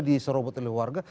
diserobot oleh warga